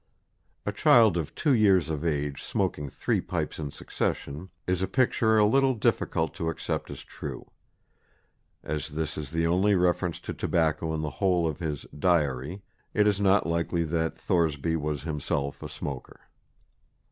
A child of two years of age smoking three pipes in succession is a picture a little difficult to accept as true. As this is the only reference to tobacco in the whole of his "Diary," it is not likely that Thoresby was himself a smoker.